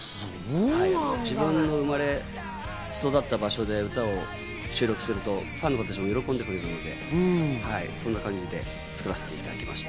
自分の生まれ育った場所で歌を収録するとファンの子たちも喜んでくれて、そんな感じで作らせていただきました。